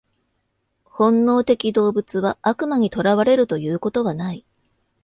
本能的動物は悪魔に囚われるということはない。